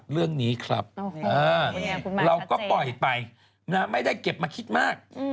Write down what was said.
เราก็ปล่อยไปไม่ได้เก็บมาคิดมาก